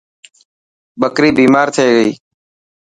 ٻڪري بيمار ٿي گئي.